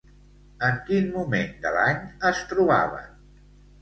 En quin moment de l'any es trobaven?